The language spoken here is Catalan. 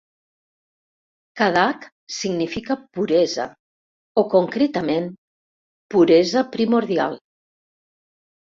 "Kadag" significa "puresa" o, concretament, "puresa primordial".